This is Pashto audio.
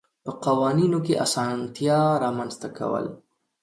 په قوانینو کې اسانتیات رامنځته کول.